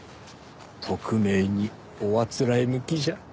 特命におあつらえ向きじゃ。